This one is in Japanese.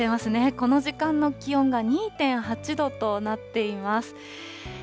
この時間の気温が２．８度となっています。